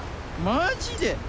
マジで！